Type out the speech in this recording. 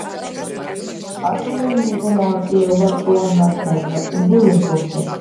ასევე მიიღო მონაწილეობა ტროას გათხრებში და კუნძულ ლესბოსზე.